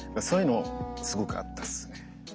そういうのすごくあったっすね。